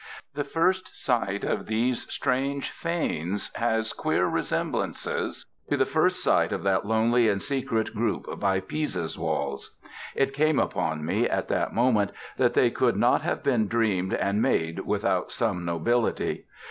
The first sight of these strange fanes has queer resemblances to the first sight of that lonely and secret group by Pisa's walls. It came upon me, at that moment, that they could not have been dreamed and made without some nobility.